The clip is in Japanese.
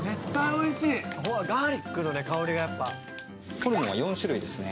ホルモンは４種類ですね。